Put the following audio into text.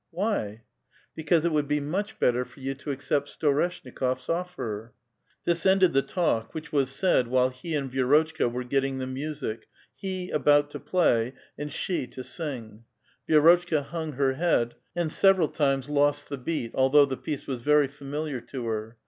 "Why?" *' Because it would be much better for you to accept Sto reshnikof's offer." Tills ended the talk, which was said while he and Vi6rotchka were getting the music — he about to play, and she to sing. Vi^rotchka hung her head, and several times lost the beat, although the piece was very familiar to her.